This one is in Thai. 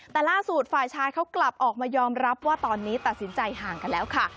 แต่ล่าสุดฝ่ายชายเขากลับออกมายอมรับว่าตอนนี้ตัดสินใจห่างกันแล้วค่ะ